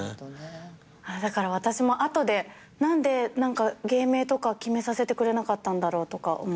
だから私も後で何で芸名とか決めさせてくれなかったんだろうとか思いました。